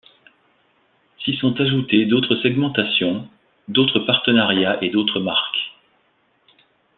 S’y sont ajoutés d’autres segmentations, d’autres partenariats et d’autres marques.